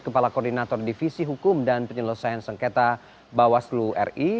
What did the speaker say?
kepala koordinator divisi hukum dan penyelesaian sengketa bawaslu ri